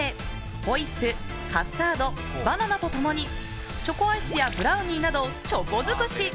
ホイップ、カスタードバナナと共にチョコアイスやブラウニーなどチョコ尽くし！